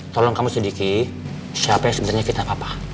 tolong kamu sedikit siapa yang sebenarnya kita apa